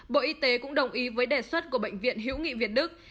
bộ y tế cũng đồng ý với đề xuất của bệnh viện hữu nghị việt đức